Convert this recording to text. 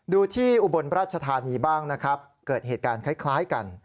ดูที่อุบลราชธานีบ้างนะครับเกิดเหตุการณ์คล้ายกัน